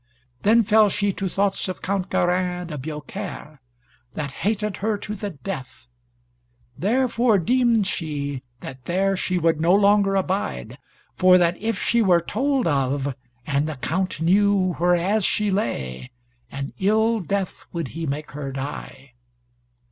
Then fell she to thoughts of Count Garin de Biaucaire, that hated her to the death; therefore deemed she that there she would no longer abide, for that, if she were told of, and the Count knew whereas she lay, an ill death would he make her die.